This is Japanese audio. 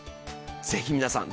ぜひ皆さん。